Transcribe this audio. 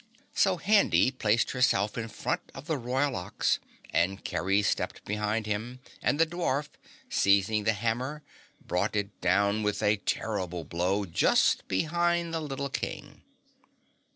So Handy placed herself in front of the Royal Ox and Kerry stepped behind him, and the dwarf, seizing the hammer, brought it down with a terrible blow just behind the little King.